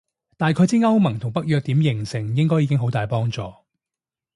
大概知歐盟同北約點形成應該已經好大幫助